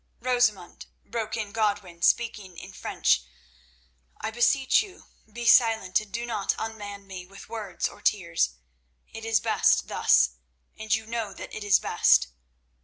"Rosamund," broke in Godwin, speaking in French, "I beseech you, be silent and do not unman me with words or tears. It is best thus, and you know that it is best.